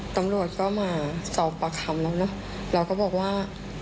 ตำรวจก็มาสอบผ่าคำเราก็บอกว่า